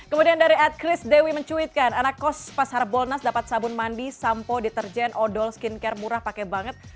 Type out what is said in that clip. kemudian dari at chris dewi mencuitkan anak kos pas harbolnas dapat sabun mandi sampo deterjen odol skincare murah pakai banget